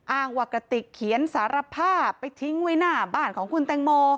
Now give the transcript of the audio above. อ้างว่ากระติกเขียนสารภาพไปทิ้งไว้หน้าบ้านของคุณแตงโม